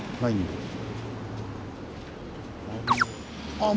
あっ